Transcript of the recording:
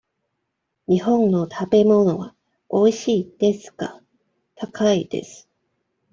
日本の食べ物はおいしいですが、高いです。